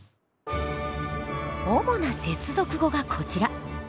主な接続語がこちら。